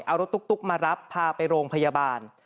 เอารถตุ๊กมารับพาไปโรงพยาบาล